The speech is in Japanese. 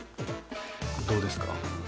どうですか？